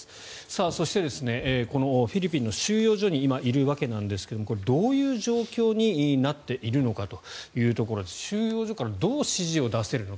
そしてこのフィリピンの収容所に今、いるわけですがどういう状況になっているのかというところで収容所からどう指示を出せるのか。